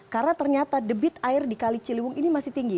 karena ternyata debit air di kali ciliwung ini masih tinggi